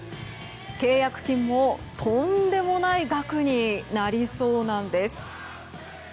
契約金もとんでもない額になりそうなんです。